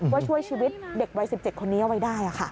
ว่าช่วยชีวิตเด็กวัย๑๗คนนี้เอาไว้ได้